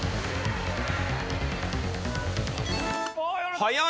早い！